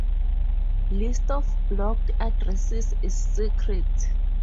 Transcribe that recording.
List of blocked addresses is secret.